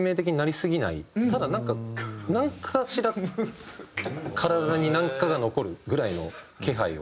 ただなんかなんかしら体になんかが残るぐらいの気配を。